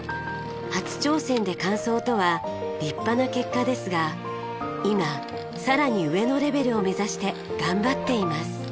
初挑戦で完走とは立派な結果ですが今さらに上のレベルを目指して頑張っています。